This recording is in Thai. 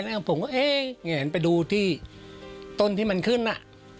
แล้วผมก็เอ๊ะแงนไปดูที่ต้นที่มันขึ้นน่ะ